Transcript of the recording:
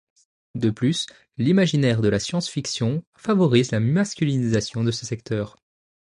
De plus, l'imaginaire de la science fiction favorise la masculinisation de ce secteur.